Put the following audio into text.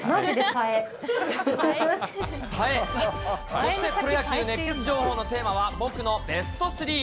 そして、プロ野球熱ケツ情報のテーマは、僕のベスト３。